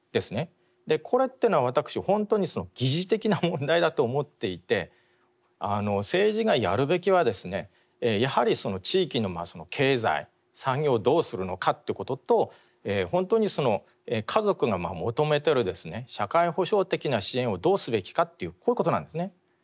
これっていうのは私本当に疑似的な問題だと思っていて政治がやるべきはですねやはりその地域の経済産業をどうするのかということと本当に家族が求めてる社会保障的な支援をどうすべきかっていうこういうことなんですね。